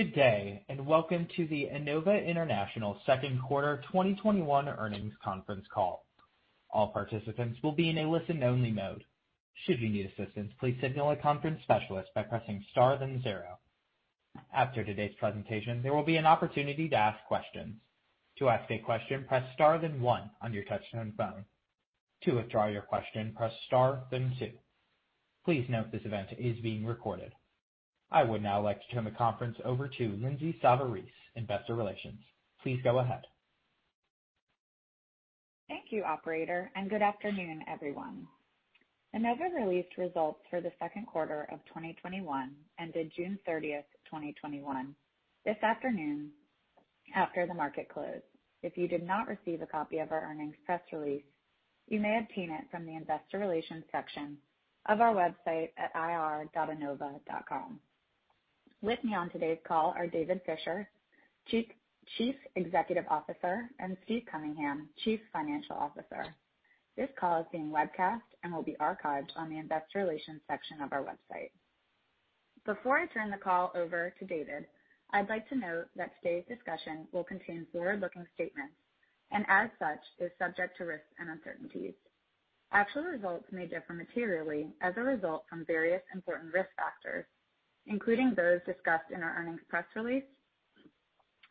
Good day, and welcome to the Enova International Second Quarter 2021 Earnings Conference Call. All participants will be in a listen-only mode. Should you need assistance, please signal a conference specialist by pressing star then zero. After today's presentation, there will be an opportunity to ask questions. To ask a question, press star then one on your touch-tone phone. To withdraw your question, press star then two. Please note this event is being recorded. I would now like to turn the conference over to Lindsay Savarese, investor relations. Please go ahead. Thank you, operator, and good afternoon, everyone. Enova released results for the second quarter of 2021, ended June 30th, 2021 this afternoon after the market closed. If you did not receive a copy of our earnings press release, you may obtain it from the investor relations section of our website at ir.enova.com. With me on today's call are David Fisher, Chief Executive Officer, and Steve Cunningham, Chief Financial Officer. This call is being webcast and will be archived on the investor relations section of our website. Before I turn the call over to David, I'd like to note that today's discussion will contain forward-looking statements, and as such, is subject to risks and uncertainties. Actual results may differ materially as a result from various important risk factors, including those discussed in our earnings press release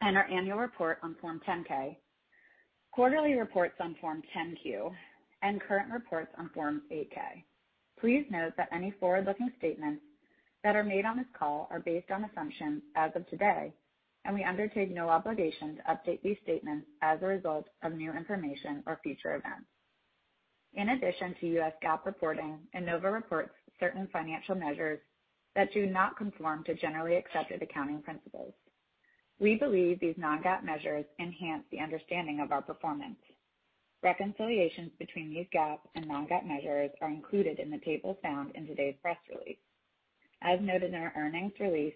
and our annual report on Form 10-K, quarterly reports on Form 10-Q, and current reports on Form 8-K. Please note that any forward-looking statements that are made on this call are based on assumptions as of today, and we undertake no obligation to update these statements as a result of new information or future events. In addition to U.S. GAAP reporting, Enova reports certain financial measures that do not conform to generally accepted accounting principles. We believe these non-GAAP measures enhance the understanding of our performance. Reconciliations between these GAAP and non-GAAP measures are included in the table found in today's press release. As noted in our earnings release,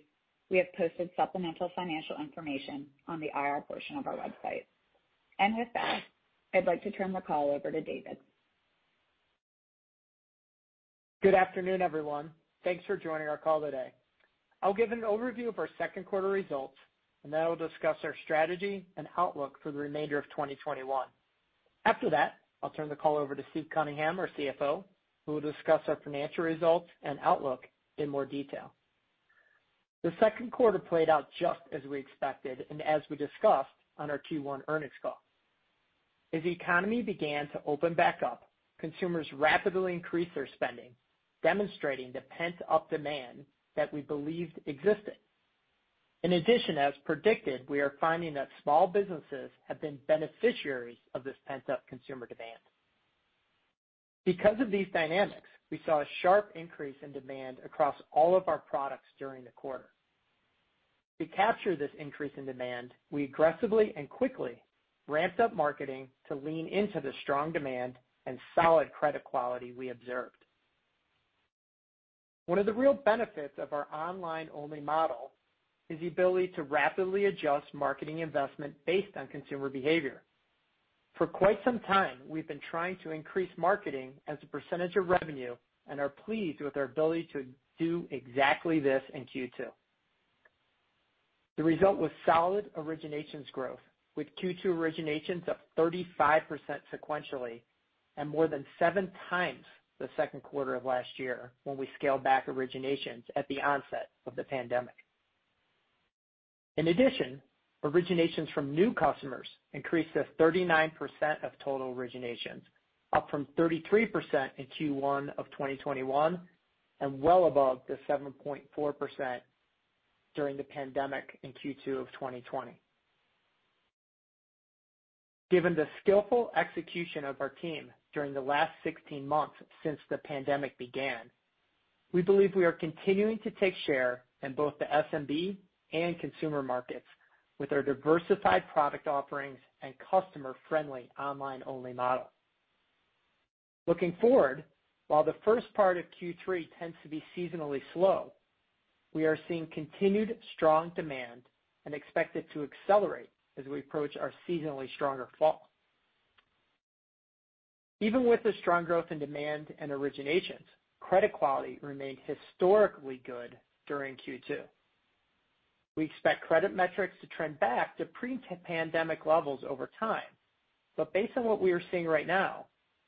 we have posted supplemental financial information on the IR portion of our website. With that, I'd like to turn the call over to David. Good afternoon, everyone. Thanks for joining our call today. I'll give an overview of our second quarter results. Then I'll discuss our strategy and outlook for the remainder of 2021. After that, I'll turn the call over to Steve Cunningham, our CFO, who will discuss our financial results and outlook in more detail. The second quarter played out just as we expected and as we discussed on our Q1 earnings call. As the economy began to open back up, consumers rapidly increased their spending, demonstrating the pent-up demand that we believed existed. In addition, as predicted, we are finding that small businesses have been beneficiaries of this pent-up consumer demand. Because of these dynamics, we saw a sharp increase in demand across all of our products during the quarter. To capture this increase in demand, we aggressively and quickly ramped up marketing to lean into the strong demand and solid credit quality we observed. One of the real benefits of our online-only model is the ability to rapidly adjust marketing investment based on consumer behavior. For quite some time, we've been trying to increase marketing as a percentage of revenue and are pleased with our ability to do exactly this in Q2. The result was solid originations growth, with Q2 originations up 35% sequentially and more than 7x the second quarter of last year when we scaled back originations at the onset of the pandemic. In addition, originations from new customers increased to 39% of total originations, up from 33% in Q1 of 2021 and well above the 7.4% during the pandemic in Q2 of 2020. Given the skillful execution of our team during the last 16 months since the pandemic began, we believe we are continuing to take share in both the SMB and consumer markets with our diversified product offerings and customer-friendly online-only model. Looking forward, while the first part of Q3 tends to be seasonally slow, we are seeing continued strong demand and expect it to accelerate as we approach our seasonally stronger fall. Even with the strong growth in demand and originations, credit quality remained historically good during Q2. We expect credit metrics to trend back to pre-pandemic levels over time. Based on what we are seeing right now,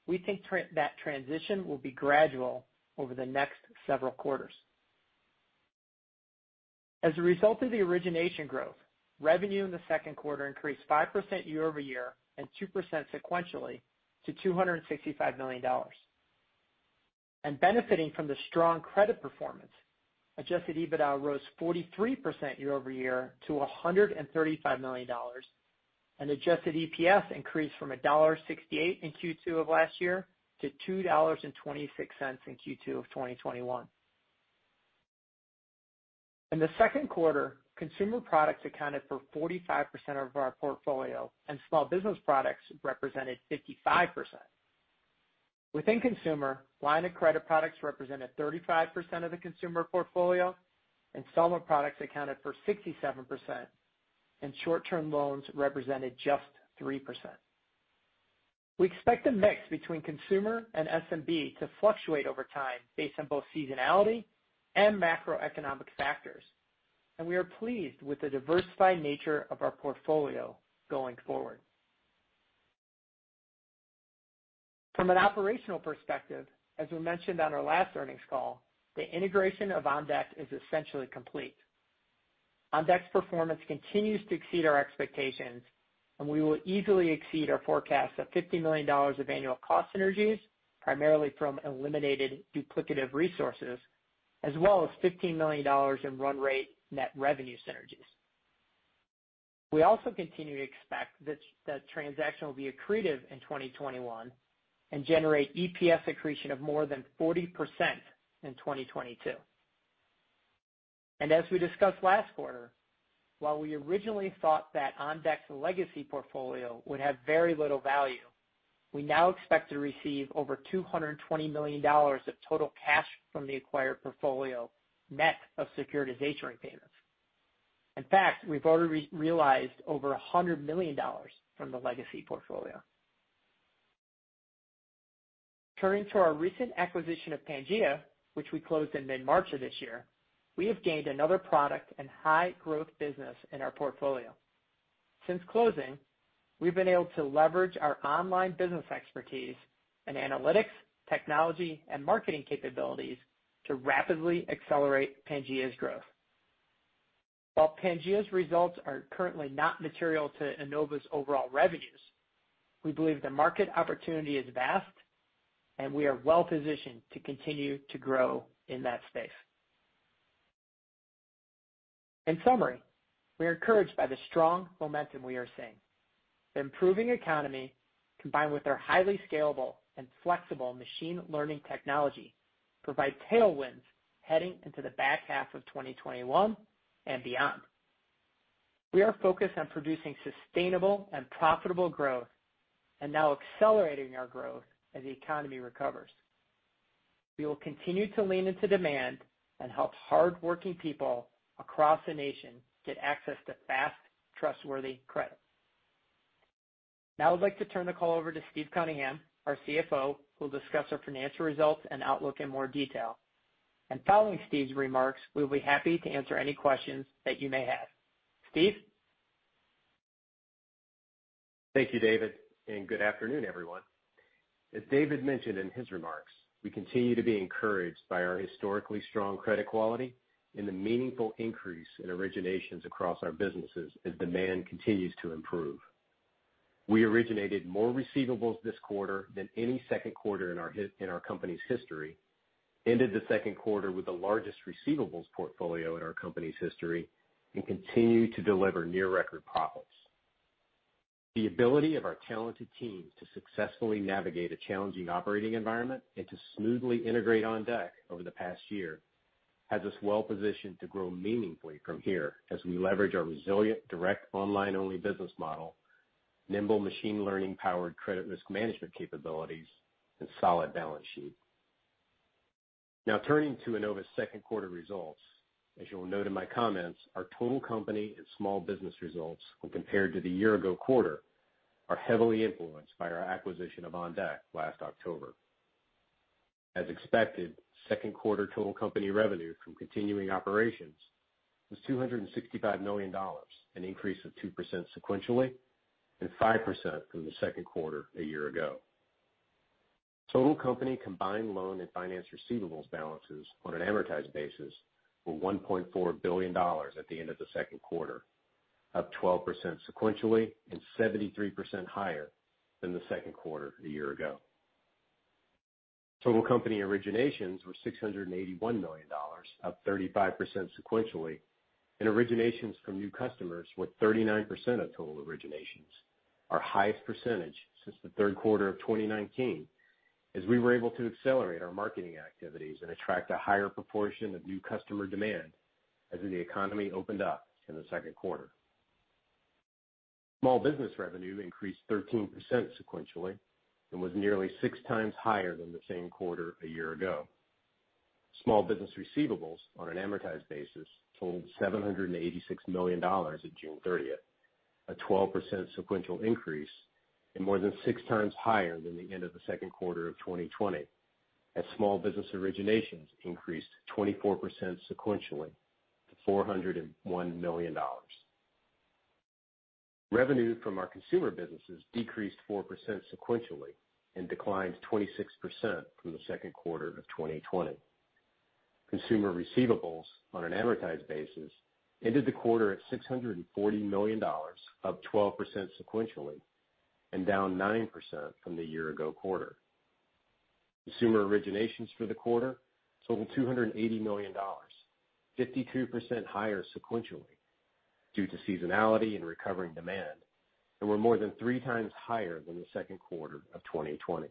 we think that transition will be gradual over the next several quarters. As a result of the origination growth, revenue in the second quarter increased 5% year-over-year and 2% sequentially to $265 million. Benefiting from the strong credit performance, adjusted EBITDA rose 43% year-over-year to $135 million, and adjusted EPS increased from $1.68 in Q2 of last year to $2.26 in Q2 of 2021. In the second quarter, consumer products accounted for 45% of our portfolio and small business products represented 55%. Within consumer, line of credit products represented 35% of the consumer portfolio, installment products accounted for 67%, and short-term loans represented just 3%. We expect a mix between consumer and SMB to fluctuate over time based on both seasonality and macroeconomic factors. We are pleased with the diversified nature of our portfolio going forward. From an operational perspective, as we mentioned on our last earnings call, the integration of OnDeck is essentially complete. OnDeck's performance continues to exceed our expectations. We will easily exceed our forecast of $50 million of annual cost synergies, primarily from eliminated duplicative resources, as well as $15 million in run rate net revenue synergies. We also continue to expect that the transaction will be accretive in 2021 and generate EPS accretion of more than 40% in 2022. As we discussed last quarter, while we originally thought that OnDeck's legacy portfolio would have very little value, we now expect to receive over $220 million of total cash from the acquired portfolio, net of securitization repayments. In fact, we've already realized over $100 million from the legacy portfolio. Turning to our recent acquisition of Pangea, which we closed in mid-March of this year, we have gained another product and high-growth business in our portfolio. Since closing, we've been able to leverage our online business expertise and analytics, technology, and marketing capabilities to rapidly accelerate Pangea's growth. While Pangea's results are currently not material to Enova's overall revenues, we believe the market opportunity is vast, and we are well-positioned to continue to grow in that space. In summary, we are encouraged by the strong momentum we are seeing. The improving economy, combined with our highly scalable and flexible machine learning technology, provide tailwinds heading into the back half of 2021 and beyond. We are focused on producing sustainable and profitable growth and now accelerating our growth as the economy recovers. We will continue to lean into demand and help hardworking people across the nation get access to fast, trustworthy credit. Now I'd like to turn the call over to Steve Cunningham, our CFO, who will discuss our financial results and outlook in more detail. Following Steve's remarks, we'll be happy to answer any questions that you may have. Steve? Thank you, David, and good afternoon, everyone. As David mentioned in his remarks, we continue to be encouraged by our historically strong credit quality and the meaningful increase in originations across our businesses as demand continues to improve. We originated more receivables this quarter than any second quarter in our company's history, ended the second quarter with the largest receivables portfolio in our company's history, and continue to deliver near record profits. The ability of our talented teams to successfully navigate a challenging operating environment and to smoothly integrate OnDeck over the past year has us well positioned to grow meaningfully from here as we leverage our resilient direct online-only business model, nimble machine learning-powered credit risk management capabilities, and solid balance sheet. Turning to Enova's second quarter results. As you'll note in my comments, our total company and small business results, when compared to the year-ago quarter, are heavily influenced by our acquisition of OnDeck last October. As expected, second quarter total company revenue from continuing operations was $265 million, an increase of 2% sequentially and 5% from the second quarter a year ago. Total company combined loan and finance receivables balances on an amortized basis were $1.4 billion at the end of the second quarter, up 12% sequentially and 73% higher than the second quarter a year ago. Total company originations were $681 million, up 35% sequentially, and originations from new customers were 39% of total originations, our highest percentage since the third quarter of 2019, as we were able to accelerate our marketing activities and attract a higher proportion of new customer demand as the economy opened up in the second quarter. Small business revenue increased 13% sequentially and was nearly 6x higher than the same quarter a year ago. Small business receivables on an amortized basis totaled $786 million on June 30th, a 12% sequential increase and more than 6x higher than the end of the second quarter of 2020, as small business originations increased 24% sequentially to $401 million. Revenue from our consumer businesses decreased 4% sequentially and declined 26% from the second quarter of 2020. Consumer receivables on an amortized basis ended the quarter at $640 million, up 12% sequentially and down 9% from the year-ago quarter. Consumer originations for the quarter totaled $280 million, 52% higher sequentially due to seasonality and recovering demand, and were more than 3x higher than the second quarter of 2020.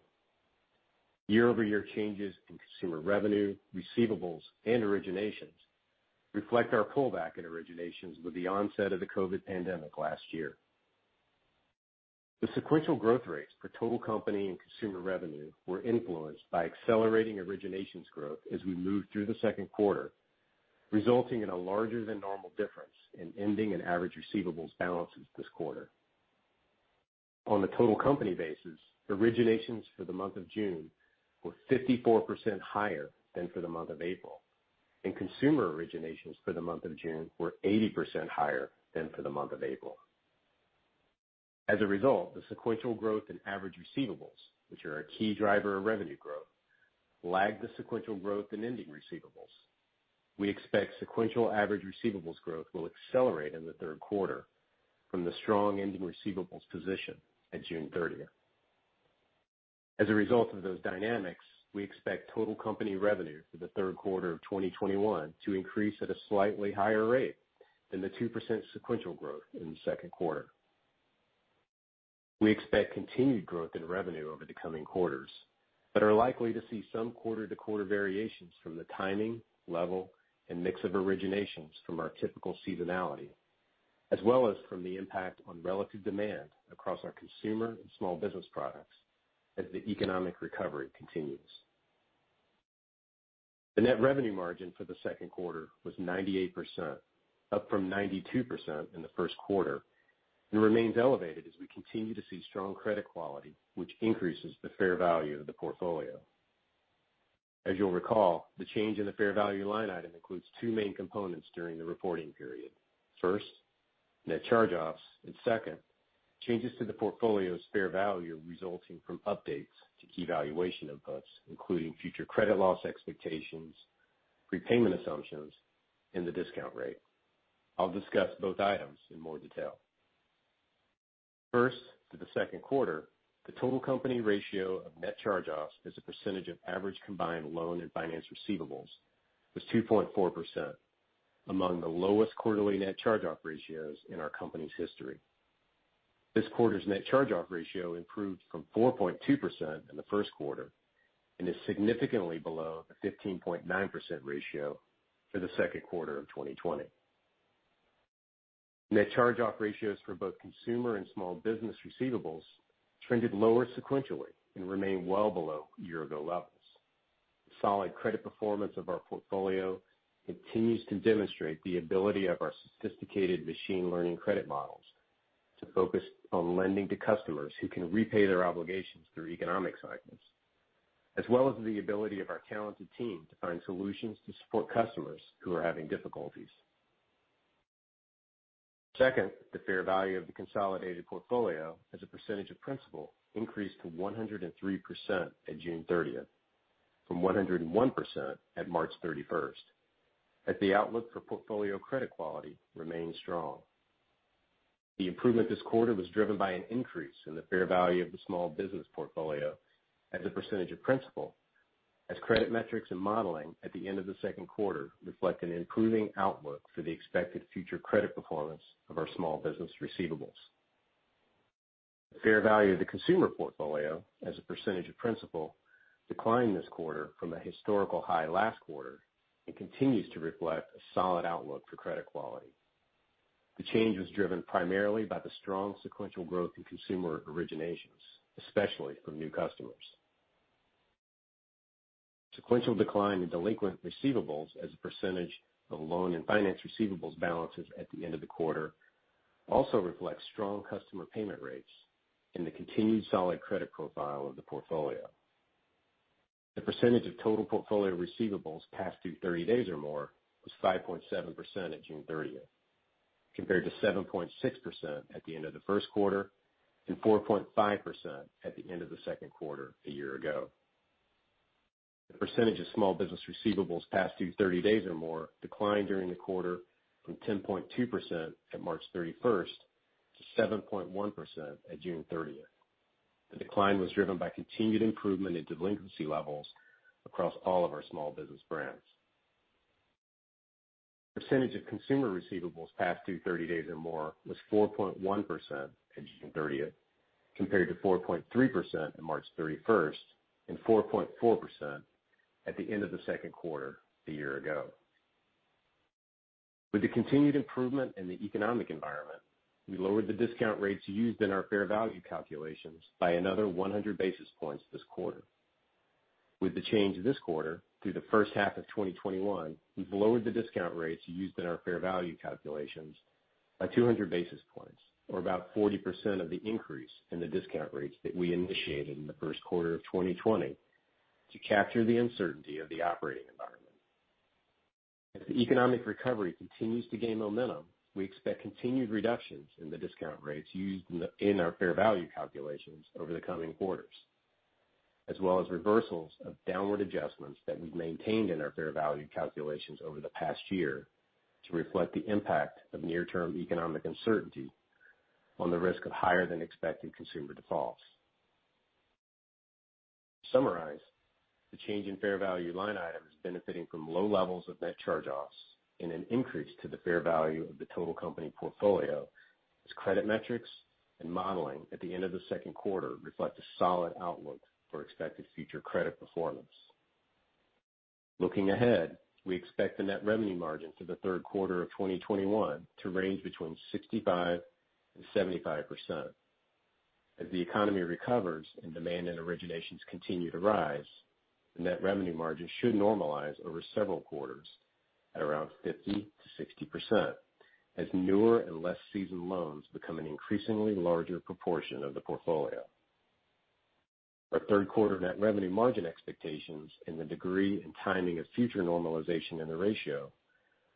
Year-over-year changes in consumer revenue, receivables, and originations reflect our pullback in originations with the onset of the COVID pandemic last year. The sequential growth rates for total company and consumer revenue were influenced by accelerating originations growth as we moved through the second quarter. Resulting in a larger than normal difference in ending and average receivables balances this quarter. On a total company basis, originations for the month of June were 54% higher than for the month of April. Consumer originations for the month of June were 80% higher than for the month of April. As a result, the sequential growth in average receivables, which are a key driver of revenue growth, lagged the sequential growth in ending receivables. We expect sequential average receivables growth will accelerate in the third quarter from the strong ending receivables position at June 30th. As a result of those dynamics, we expect total company revenue for the third quarter of 2021 to increase at a slightly higher rate than the 2% sequential growth in the second quarter. We expect continued growth in revenue over the coming quarters, but are likely to see some quarter-to-quarter variations from the timing, level, and mix of originations from our typical seasonality, as well as from the impact on relative demand across our consumer and small business products as the economic recovery continues. The net revenue margin for the second quarter was 98%, up from 92% in the first quarter, and remains elevated as we continue to see strong credit quality, which increases the fair value of the portfolio. As you'll recall, the change in the fair value line item includes two main components during the reporting period. First, net charge-offs, and second, changes to the portfolio's fair value resulting from updates to key valuation inputs, including future credit loss expectations, prepayment assumptions, and the discount rate. I will discuss both items in more detail. First, for the second quarter, the total company ratio of net charge-offs as a percentage of average combined loan and finance receivables was 2.4%, among the lowest quarterly net charge-off ratios in our company's history. This quarter's net charge-off ratio improved from 4.2% in the first quarter and is significantly below the 15.9% ratio for the second quarter of 2020. Net charge-off ratios for both consumer and small business receivables trended lower sequentially and remain well below year-ago levels. The solid credit performance of our portfolio continues to demonstrate the ability of our sophisticated machine learning credit models to focus on lending to customers who can repay their obligations through economic cycles, as well as the ability of our talented team to find solutions to support customers who are having difficulties. The fair value of the consolidated portfolio as a percentage of principal increased to 103% at June 30th from 101% at March 31st, as the outlook for portfolio credit quality remains strong. The improvement this quarter was driven by an increase in the fair value of the small business portfolio as a percentage of principal, as credit metrics and modeling at the end of the second quarter reflect an improving outlook for the expected future credit performance of our small business receivables. The fair value of the consumer portfolio as a percentage of principal declined this quarter from a historical high last quarter and continues to reflect a solid outlook for credit quality. The change was driven primarily by the strong sequential growth in consumer originations, especially from new customers. Sequential decline in delinquent receivables as a percentage of loan and finance receivables balances at the end of the quarter also reflects strong customer payment rates and the continued solid credit profile of the portfolio. The percentage of total portfolio receivables past due 30 days or more was 5.7% at June 30th, compared to 7.6% at the end of the first quarter and 4.5% at the end of the second quarter a year ago. The percentage of small business receivables past due 30 days or more declined during the quarter from 10.2% at March 31st to 7.1% at June 30th. The decline was driven by continued improvement in delinquency levels across all of our small business brands. Percentage of consumer receivables past due 30 days or more was 4.1% at June 30th, compared to 4.3% at March 31st and 4.4% at the end of the second quarter a year ago. With the continued improvement in the economic environment, we lowered the discount rates used in our fair value calculations by another 100 basis points this quarter. With the change this quarter through the first half of 2021, we've lowered the discount rates used in our fair value calculations by 200 basis points, or about 40% of the increase in the discount rates that we initiated in the first quarter of 2020 to capture the uncertainty of the operating environment. As the economic recovery continues to gain momentum, we expect continued reductions in the discount rates used in our fair value calculations over the coming quarters, as well as reversals of downward adjustments that we've maintained in our fair value calculations over the past year to reflect the impact of near-term economic uncertainty on the risk of higher-than-expected consumer defaults. To summarize, the change in fair value line item is benefiting from low levels of net charge-offs and an increase to the fair value of the total company portfolio, as credit metrics and modeling at the end of the second quarter reflect a solid outlook for expected future credit performance. Looking ahead, we expect the net revenue margin for the third quarter of 2021 to range between 65% and 75%. As the economy recovers and demand and originations continue to rise, the net revenue margin should normalize over several quarters at around 50%-60%, as newer and less seasoned loans become an increasingly larger proportion of the portfolio. Our third quarter net revenue margin expectations and the degree and timing of future normalization in the ratio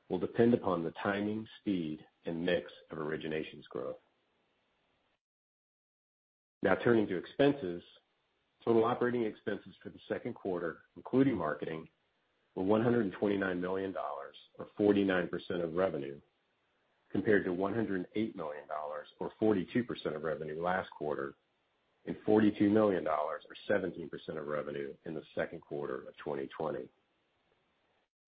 will depend upon the timing, speed, and mix of originations growth. Now turning to expenses. Total operating expenses for the second quarter, including marketing, were $129 million, or 49% of revenue, compared to $108 million, or 42% of revenue last quarter, and $42 million or 17% of revenue in the second quarter of 2020.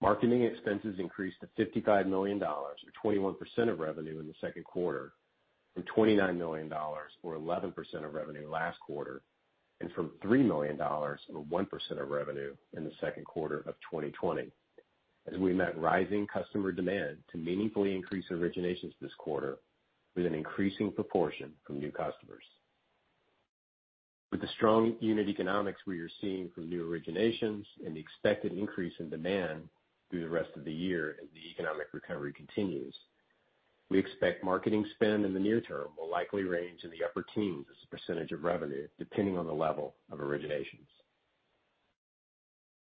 Marketing expenses increased to $55 million, or 21% of revenue in the second quarter, from $29 million or 11% of revenue last quarter, and from $3 million or 1% of revenue in the second quarter of 2020, as we met rising customer demand to meaningfully increase originations this quarter with an increasing proportion from new customers. With the strong unit economics we are seeing from new originations and the expected increase in demand through the rest of the year as the economic recovery continues, we expect marketing spend in the near term will likely range in the upper teens as a percentage of revenue, depending on the level of originations.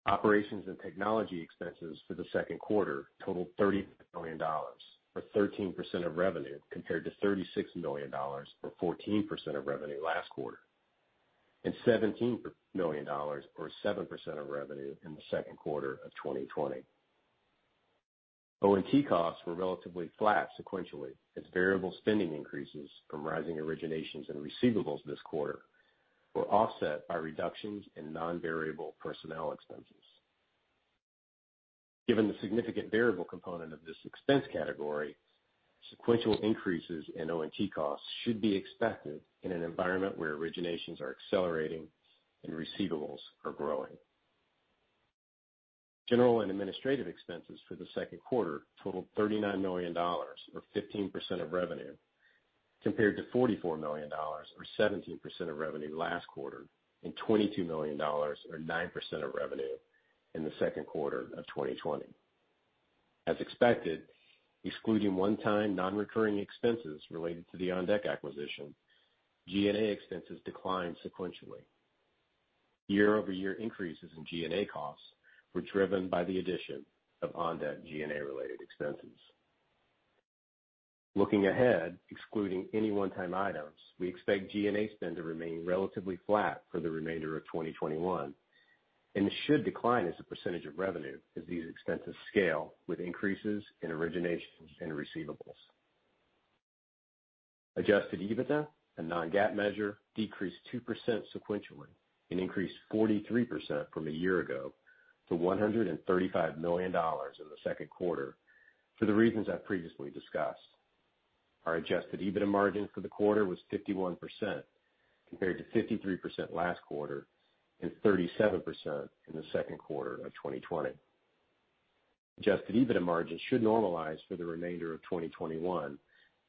Operations and technology expenses for the second quarter totaled $30 million, or 13% of revenue, compared to $36 million or 14% of revenue last quarter, and $17 million or 7% of revenue in the second quarter of 2020. O&T costs were relatively flat sequentially as variable spending increases from rising originations and receivables this quarter were offset by reductions in non-variable personnel expenses. Given the significant variable component of this expense category, sequential increases in O&T costs should be expected in an environment where originations are accelerating and receivables are growing. General and administrative expenses for the second quarter totaled $39 million, or 15% of revenue, compared to $44 million or 17% of revenue last quarter, and $22 million or 9% of revenue in the second quarter of 2020. As expected, excluding one-time non-recurring expenses related to the OnDeck acquisition, G&A expenses declined sequentially. Year-over-year increases in G&A costs were driven by the addition of OnDeck G&A-related expenses. Looking ahead, excluding any one-time items, we expect G&A spend to remain relatively flat for the remainder of 2021 and should decline as a percentage of revenue as these expenses scale with increases in originations and receivables. Adjusted EBITDA, a non-GAAP measure, decreased 2% sequentially and increased 43% from a year ago to $135 million in the second quarter for the reasons I previously discussed. Our adjusted EBITDA margin for the quarter was 51% compared to 53% last quarter and 37% in the second quarter of 2020. Adjusted EBITDA margin should normalize for the remainder of 2021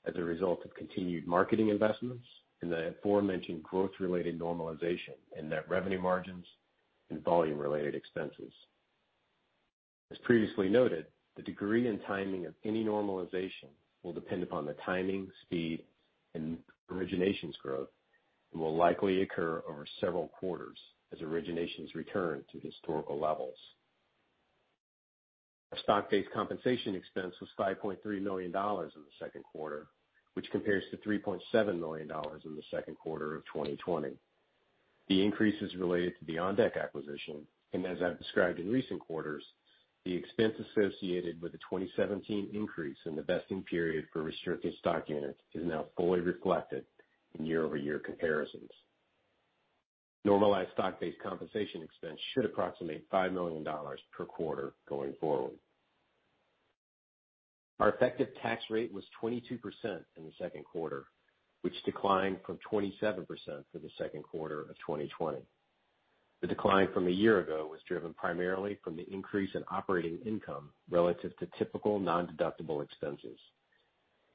as a result of continued marketing investments and the aforementioned growth-related normalization in net revenue margins and volume-related expenses. As previously noted, the degree and timing of any normalization will depend upon the timing, speed, and originations growth and will likely occur over several quarters as originations return to historical levels. Our stock-based compensation expense was $5.3 million in the second quarter, which compares to $3.7 million in the second quarter of 2020. The increase is related to the OnDeck acquisition, and as I've described in recent quarters, the expense associated with the 2017 increase in the vesting period for restricted stock units is now fully reflected in year-over-year comparisons. Normalized stock-based compensation expense should approximate $5 million per quarter going forward. Our effective tax rate was 22% in the second quarter, which declined from 27% for the second quarter of 2020. The decline from a year ago was driven primarily from the increase in operating income relative to typical nondeductible expenses.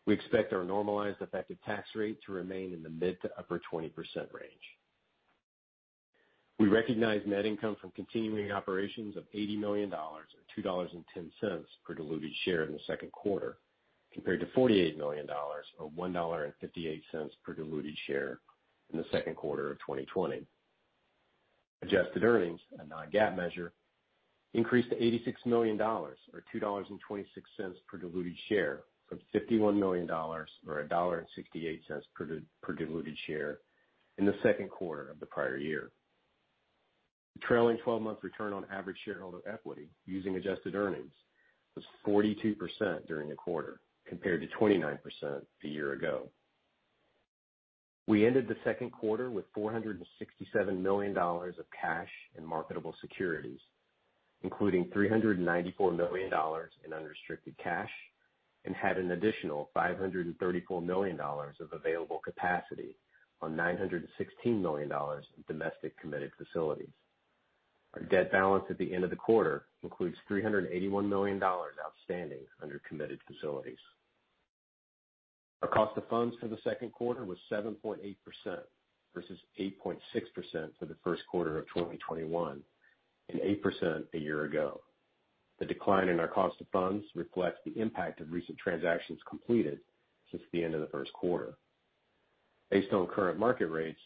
We expect our normalized effective tax rate to remain in the mid to upper 20% range. We recognized net income from continuing operations of $80 million, or $2.10 per diluted share in the second quarter, compared to $48 million, or $1.58 per diluted share in the second quarter of 2020. Adjusted earnings, a non-GAAP measure, increased to $86 million, or $2.26 per diluted share from $51 million, or $1.68 per diluted share in the second quarter of the prior year. The trailing 12-month return on average shareholder equity using adjusted earnings was 42% during the quarter, compared to 29% a year ago. We ended the second quarter with $467 million of cash and marketable securities, including $394 million in unrestricted cash and had an additional $534 million of available capacity on $916 million in domestic committed facilities. Our debt balance at the end of the quarter includes $381 million outstanding under committed facilities. Our cost of funds for the second quarter was 7.8%, versus 8.6% for the first quarter of 2021, and 8% a year ago. The decline in our cost of funds reflects the impact of recent transactions completed since the end of the first quarter. Based on current market rates,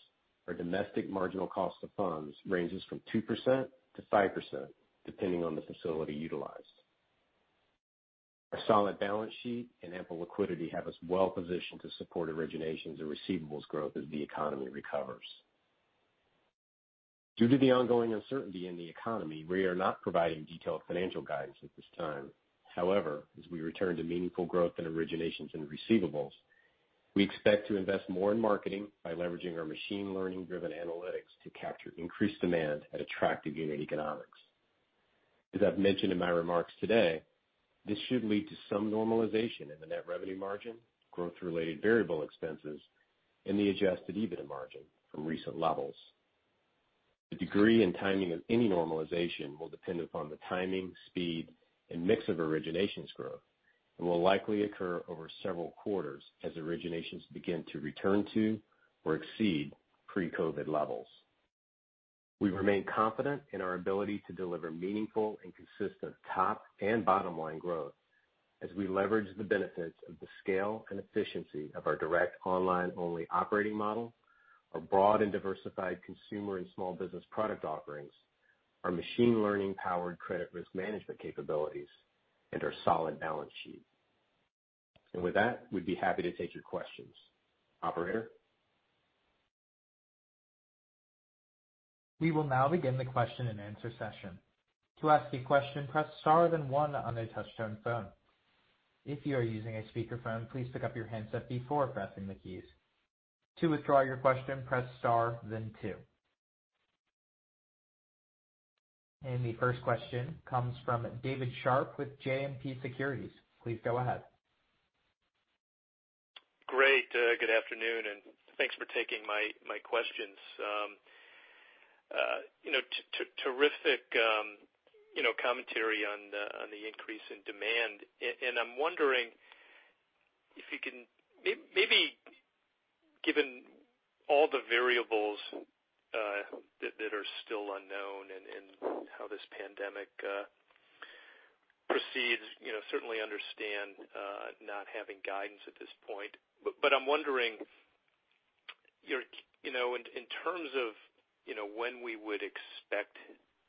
our domestic marginal cost of funds ranges from 2%-5%, depending on the facility utilized. Our solid balance sheet and ample liquidity have us well-positioned to support originations and receivables growth as the economy recovers. Due to the ongoing uncertainty in the economy, we are not providing detailed financial guidance at this time. However, as we return to meaningful growth in originations and receivables, we expect to invest more in marketing by leveraging our machine learning-driven analytics to capture increased demand at attractive unit economics. As I've mentioned in my remarks today, this should lead to some normalization in the net revenue margin, growth-related variable expenses, and the adjusted EBITDA margin from recent levels. The degree and timing of any normalization will depend upon the timing, speed, and mix of originations growth and will likely occur over several quarters as originations begin to return to or exceed pre-COVID levels. We remain confident in our ability to deliver meaningful and consistent top and bottom-line growth as we leverage the benefits of the scale and efficiency of our direct online-only operating model, our broad and diversified consumer and small business product offerings, our machine learning-powered credit risk management capabilities, and our solid balance sheet. With that, we'd be happy to take your questions. Operator. We will now begin the question-and-answer session. The first question comes from David Scharf with JMP Securities. Please go ahead. Great. Good afternoon, and thanks for taking my questions. Terrific commentary on the increase in demand. I'm wondering maybe given all the variables that are still unknown and how this pandemic proceeds, certainly understand not having guidance at this point. I'm wondering in terms of when we would expect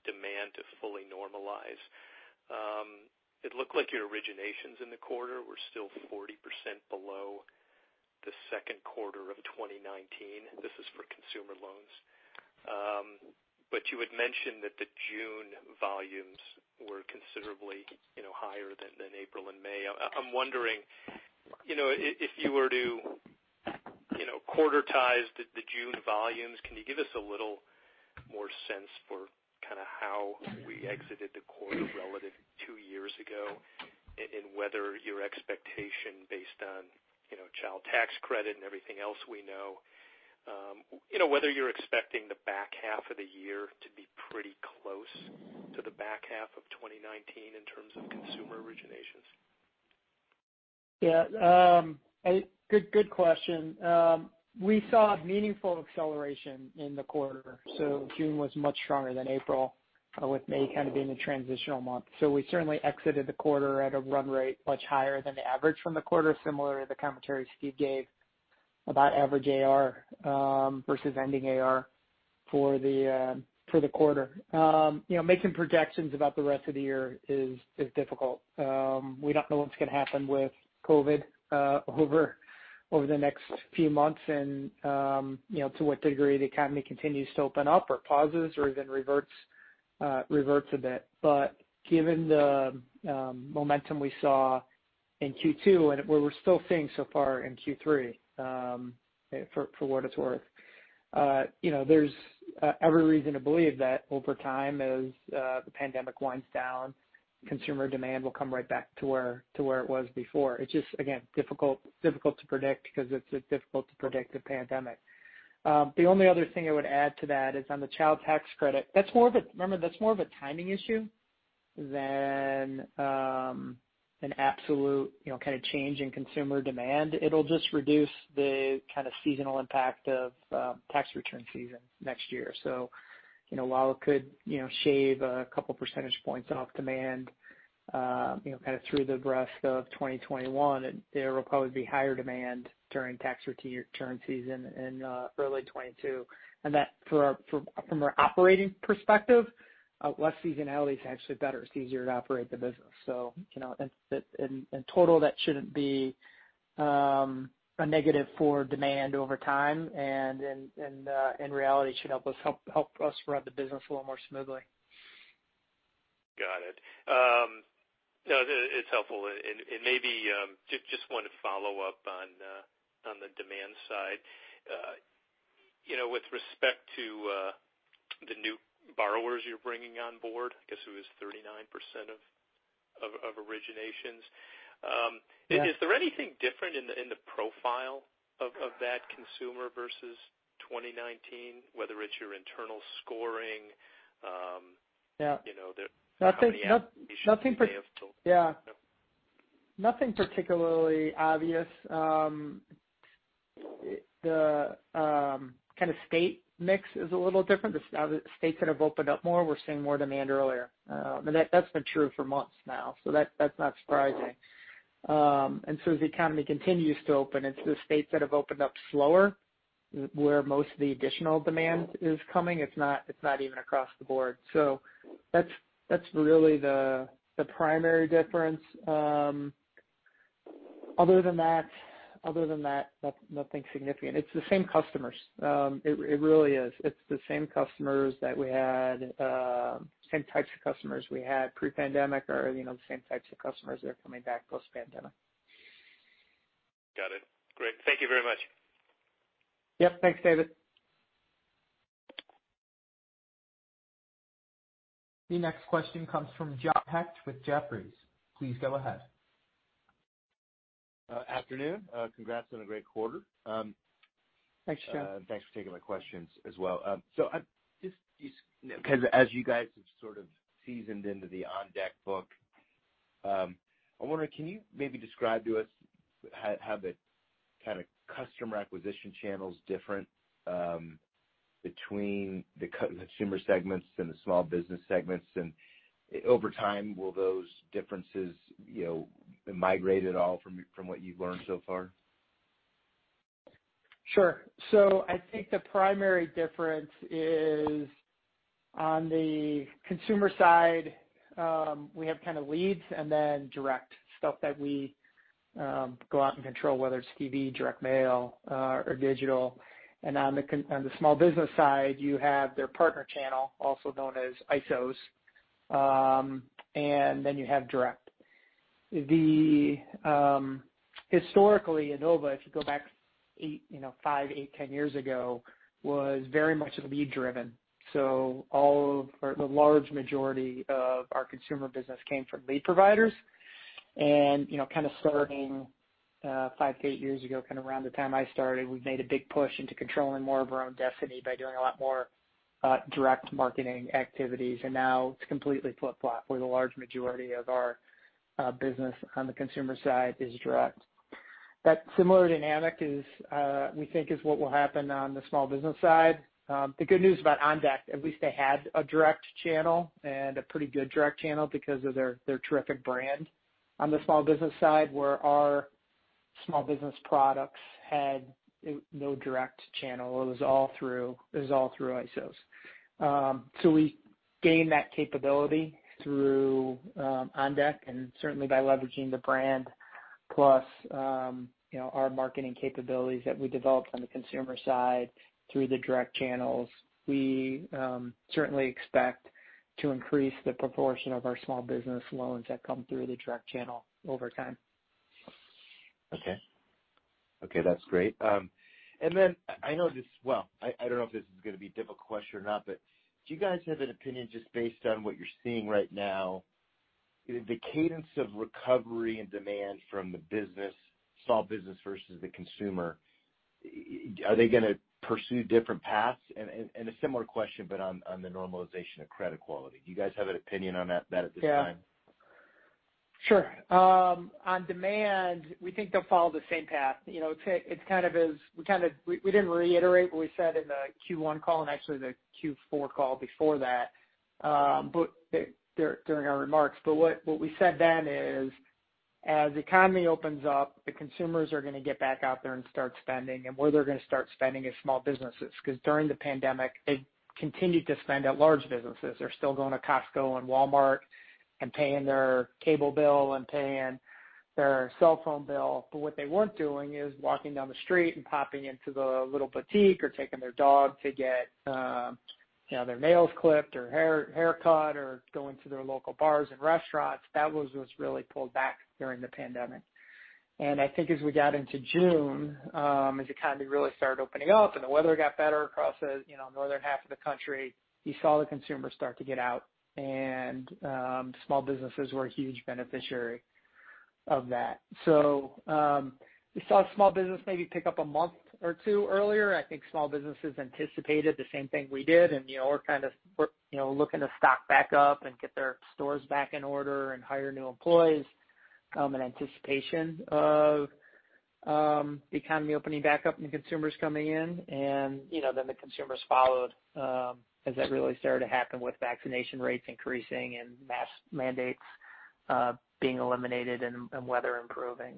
demand to fully normalize. It looked like your originations in the quarter were still 40% below the second quarter of 2019. This is for consumer loans. You had mentioned that the June volumes were considerably higher than April and May. I'm wondering if you were to quarterize the June volumes, can you give us a little more sense for how we exited the quarter relative to two years ago? Whether your expectation based on Child Tax Credit and everything else we know, whether you're expecting the back half of the year to be pretty close to the back half of 2019 in terms of consumer originations? Yeah. Good question. We saw a meaningful acceleration in the quarter, so June was much stronger than April, with May kind of being a transitional month. We certainly exited the quarter at a run rate much higher than the average from the quarter, similar to the commentary Steve gave about average AR versus ending AR for the quarter. Making projections about the rest of the year is difficult. We don't know what's going to happen with COVID over the next few months and to what degree the economy continues to open up or pauses or even reverts a bit. Given the momentum we saw in Q2 and what we're still seeing so far in Q3, for what it's worth, there's every reason to believe that over time, as the pandemic winds down, consumer demand will come right back to where it was before. It's just, again, difficult to predict because it's difficult to predict the pandemic. The only other thing I would add to that is on the Child Tax Credit. Remember, that's more of a timing issue than an absolute kind of change in consumer demand. It'll just reduce the kind of seasonal impact of tax return season next year. While it could shave a couple percentage points off demand through the rest of 2021, there will probably be higher demand during tax return season in early 2022. That from our operating perspective, less seasonality is actually better. It's easier to operate the business. In total, that shouldn't be a negative for demand over time. In reality, it should help us run the business a little more smoothly. Got it. No, it's helpful. Maybe just want to follow up on the demand side. With respect to the new borrowers you're bringing on board, I guess it was 39% of originations. Yeah. Is there anything different in the profile of that consumer versus 2019, whether it's your internal scoring-? Yeah Yeah. Nothing particularly obvious. The kind of state mix is a little different. The states that have opened up more, we're seeing more demand earlier. That's been true for months now, so that's not surprising. As the economy continues to open, it's the states that have opened up slower, where most of the additional demand is coming. It's not even across the board. That's really the primary difference. Other than that, nothing significant. It's the same customers. It really is. It's the same customers that we had, same types of customers we had pre-pandemic, or the same types of customers that are coming back post-pandemic. Got it. Great. Thank you very much. Yep. Thanks, David. The next question comes from John Hecht with Jefferies. Please go ahead. Afternoon. Congrats on a great quarter. Thanks, John. Thanks for taking my questions as well. As you guys have sort of seasoned into the OnDeck book, I wonder, can you maybe describe to us how the kind of customer acquisition channel's different between the consumer segments and the small business segments? Over time, will those differences migrate at all from what you've learned so far? Sure. I think the primary difference is on the consumer side, we have kind of leads and then direct. Stuff that we go out and control, whether it's TV, direct mail, or digital. On the small business side, you have their partner channel, also known as ISOs, and then you have direct. Historically, Enova, if you go back five, eight, 10 years ago, was very much lead-driven. The large majority of our consumer business came from lead providers. Kind of starting five to eight years ago, kind of around the time I started, we've made a big push into controlling more of our own destiny by doing a lot more direct marketing activities. Now it's completely flip-flopped, where the large majority of our business on the consumer side is direct. That similar dynamic we think is what will happen on the small business side. The good news about OnDeck, at least they had a direct channel and a pretty good direct channel because of their terrific brand on the small business side, where our small business products had no direct channel. It was all through ISOs. We gained that capability through OnDeck and certainly by leveraging the brand plus our marketing capabilities that we developed on the consumer side through the direct channels. We certainly expect to increase the proportion of our small business loans that come through the direct channel over time. Okay. Okay, that's great. I know this-- Well, I don't know if this is going to be a difficult question or not, but do you guys have an opinion just based on what you're seeing right now, the cadence of recovery and demand from the small business versus the consumer? Are they going to pursue different paths? A similar question, but on the normalization of credit quality, do you guys have an opinion on that at this time? Yeah. Sure. On demand, we think they'll follow the same path. We didn't reiterate what we said in the Q1 call and actually the Q4 call before that during our remarks. What we said then is, as the economy opens up, the consumers are going to get back out there and start spending. Where they're going to start spending is small businesses. During the pandemic, they continued to spend at large businesses. They're still going to Costco and Walmart and paying their cable bill and paying their cell phone bill. What they weren't doing is walking down the street and popping into the little boutique or taking their dog to get their nails clipped or a haircut or going to their local bars and restaurants. That was what's really pulled back during the pandemic. I think as we got into June, as the economy really started opening up and the weather got better across the northern half of the country, you saw the consumer start to get out and small businesses were a huge beneficiary of that. We saw small business maybe pick up a month or two earlier. I think small businesses anticipated the same thing we did, and were kind of looking to stock back up and get their stores back in order and hire new employees in anticipation of the economy opening back up and the consumers coming in. Then the consumers followed as that really started to happen with vaccination rates increasing and mask mandates being eliminated and weather improving.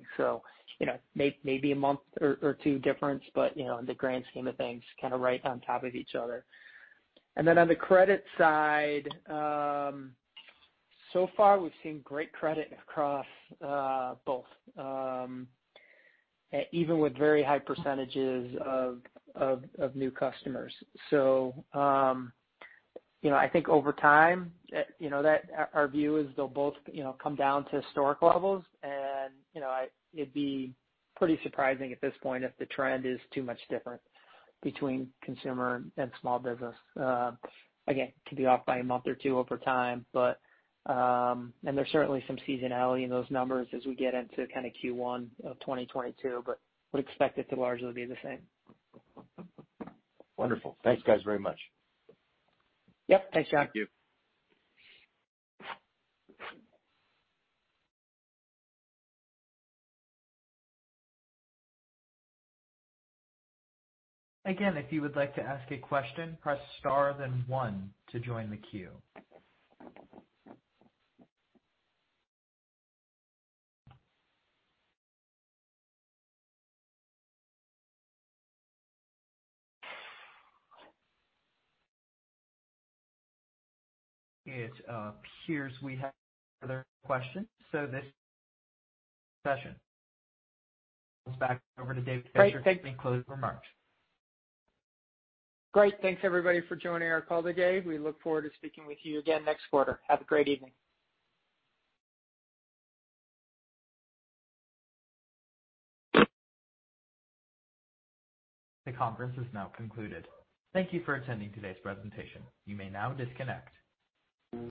Maybe a month or two difference, but in the grand scheme of things, kind of right on top of each other. Then on the credit side, so far we've seen great credit across both. Even with very high percentages of new customers. I think over time, our view is they'll both come down to historic levels. It'd be pretty surprising at this point if the trend is too much different between consumer and small business. Again, could be off by a month or two over time. There's certainly some seasonality in those numbers as we get into kind of Q1 of 2022, but would expect it to largely be the same. Wonderful. Thanks, guys, very much. Yep. Thanks, John. Thank you. Again, if you would like to ask a question, press star, then one to join the queue. It appears we have no further questions. This session goes back over to David Fisher for any closing remarks. Great. Thanks, everybody, for joining our call today. We look forward to speaking with you again next quarter. Have a great evening. The conference is now concluded. Thank you for attending today's presentation. You may now disconnect.